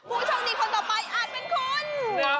ผู้โชคดีคนต่อไปอาจเป็นคุณ